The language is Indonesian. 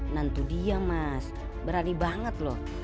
nantu dia mas berani banget loh